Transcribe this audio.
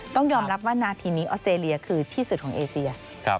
ต้องยอมรับว่านาทีนี้ออสเตรเลียคือที่สุดของเอเซีย